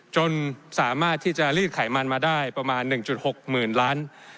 จนสามารถที่จะรีดไขมันมาได้ประมาณ๑๖๐๐๐ล้าน